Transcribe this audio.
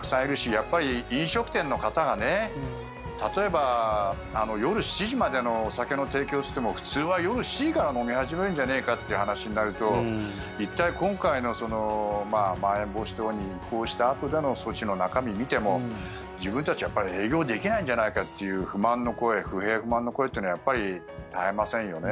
やっぱり、飲食店の方が例えば、夜７時までのお酒の提供といっても普通は夜７時から飲み始めるんじゃねえかって話になると一体、今回のまん延防止等に移行したあとでの措置の中身を見ても自分たち、やっぱり営業できないんじゃないかという不平不満の声というのはやっぱり絶えませんよね。